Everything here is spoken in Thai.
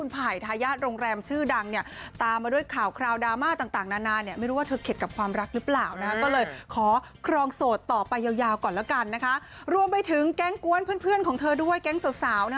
เพื่อนของเธอด้วยแก๊งสาวนะ